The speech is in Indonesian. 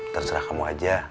terserah kamu aja